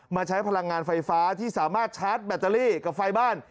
ใช้พลังงานไฟฟ้าที่สามารถชาร์จแบตเตอรี่กับไฟบ้าน